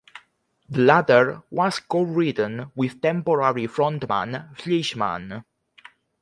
The latter was co-written with temporary frontman Fleischman.